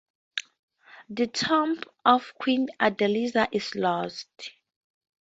The tomb of Queen Adeliza is lost.